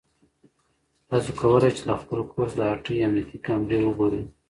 تاسو کولای شئ چې له خپل کور څخه د هټۍ امنیتي کامرې وګورئ.